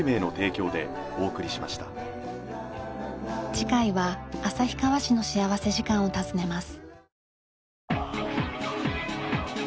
次回は旭川市の幸福時間を訪ねます。